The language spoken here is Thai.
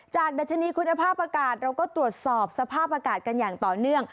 ดัชนีคุณภาพอากาศเราก็ตรวจสอบสภาพอากาศกันอย่างต่อเนื่อง